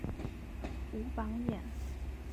武榜眼。